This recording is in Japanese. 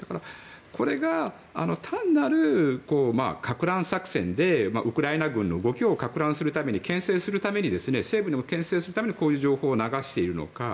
これが単なるかく乱作戦でウクライナ軍の動きをかく乱するために牽制するためにこういう情報を流しているのか。